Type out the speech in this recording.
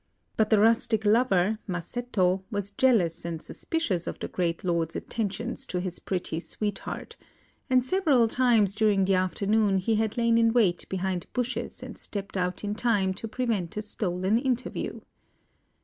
But the rustic lover, Masetto, was jealous and suspicious of the great lord's attentions to his pretty sweetheart; and several times during the afternoon he had lain in wait behind bushes and stepped out in time to prevent a stolen interview.